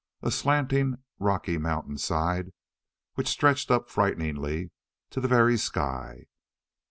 A slanting rocky mountainside, which stretched up frighteningly to the very sky.